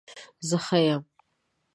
زه ښه یم